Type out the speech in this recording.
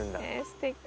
すてき。